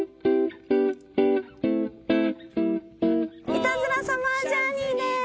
イタズラサマージャーニーです。